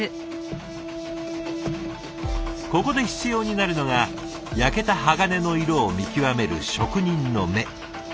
ここで必要になるのが焼けた鋼の色を見極める職人の目。